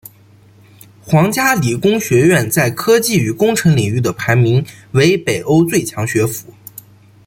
皇家理工学院在科技与工程领域的排名为北欧最强学府。